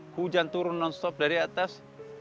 hujan turun nonstop dari atas